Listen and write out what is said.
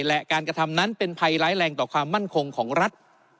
และการกระทำนั้นเป็นภัยร้ายแรงต่อความมั่นคงของรัฐ